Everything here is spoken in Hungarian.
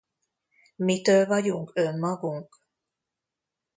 Mitől vagyunk önmagunk?